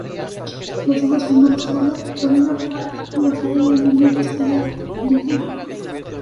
Las hojas formadas por una vaina basal y laminadas por la lígula.